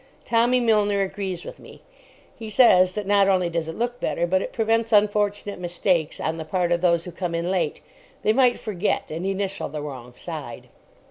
Tommy Milner agrees with me. He says that not only does it look better, but it prevents unfortunate mistakes on the part of those who come in late. They might forget and initial the wrong side.